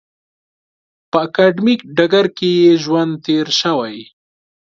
په اکاډمیک ډګر کې یې ژوند تېر شوی.